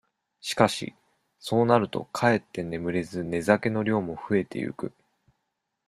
しかし、そうなるとかえって眠れず寝酒の量もふえてゆく。